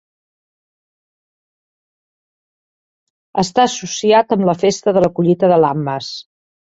Està associat amb la festa de la collita de Lammas.